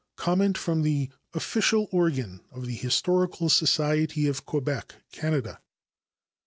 Comment from the Official Organ of the Historical Society of Quebec, Canada.